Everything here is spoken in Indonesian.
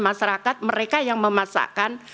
masyarakat mereka yang memasakkan